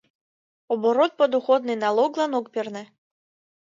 Оборот подоходный налоглан ок перне.